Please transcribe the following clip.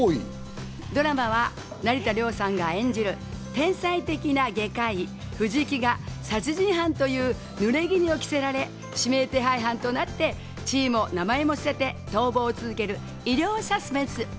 ドラマは成田凌さんが演じる天才的な外科医・藤木が殺人犯という濡れ衣を着せられ指名手配犯となって地位も名前も捨てて逃亡を続ける医療サスペンス。